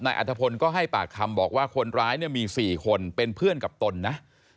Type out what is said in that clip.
อัฐพลก็ให้ปากคำบอกว่าคนร้ายเนี่ยมี๔คนเป็นเพื่อนกับตนนะ